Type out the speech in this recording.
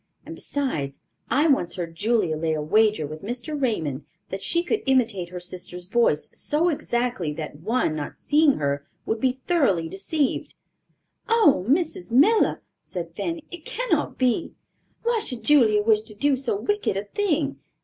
And, besides, I once heard Julia lay a wager with Mr. Raymond that she could imitate her sister's voice so exactly that one, not seeing her, would be thoroughly deceived." "Oh, Mrs. Miller," said Fanny, "it cannot be! Why should Julia wish to do so wicked a thing?